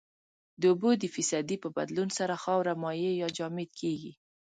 د اوبو د فیصدي په بدلون سره خاوره مایع یا جامد کیږي